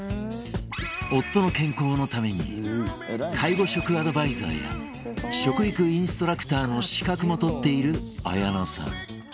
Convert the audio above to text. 夫の健康のために介護食アドバイザーや食育インストラクターの資格も取っている綾菜さん